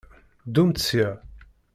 Ddumt sya!